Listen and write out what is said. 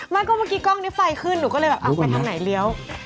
ไม่ก็เมื่อกี้กล้องนี้ไฟขึ้นหนูก็เลยแบบไปทางไหนเลี้ยว